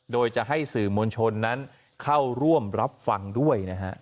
โดยจะให้สื่อมวลชนนั้นเข้าร่วมรับฟังด้วยนะฮะ